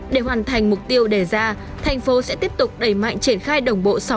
để hoàn thành mục tiêu đề ra thành phố sẽ tiếp tục đẩy mạnh triển khai đồng bộ